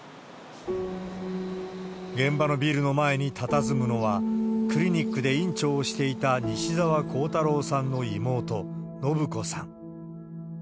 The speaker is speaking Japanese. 現場のビルの前にたたずむのは、クリニックで院長をしていた西澤弘太郎さんの妹、伸子さん。